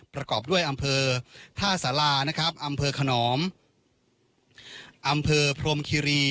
ประกอบด้วยอำเภอท่าสารานะครับอำเภอขนอมอำเภอพรมคิรี